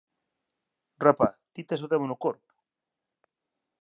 Rapaz, ti tes o demo no corpo?